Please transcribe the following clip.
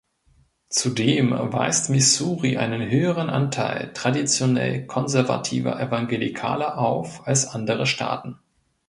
Zudem weist Missouri einen höheren Anteil traditionell konservativer Evangelikaler auf als andere Staaten.